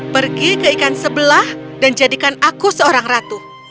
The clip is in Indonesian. pergi ke ikan sebelah dan jadikan aku seorang ratu